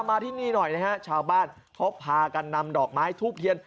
มาที่นี่หน่อยนะฮะชาวบ้านเขาพากันนำดอกไม้ทูบเทียน